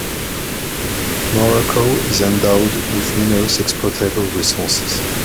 Morocco is endowed with numerous exploitable resources.